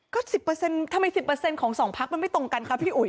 ก็๑๐ทำไม๑๐ของ๒พักมันไม่ตรงกันคะพี่อุ๋ย